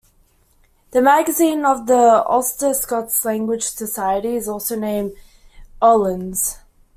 The magazine of the Ulster-Scots Language Society is also named "Ullans".